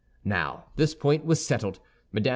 Now, this point was settled; Mme.